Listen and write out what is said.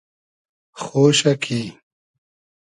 خۉشۂ کی